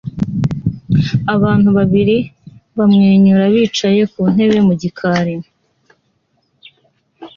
Abantu babiri bamwenyura bicaye ku ntebe mu gikari